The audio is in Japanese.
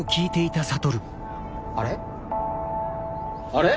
あれ？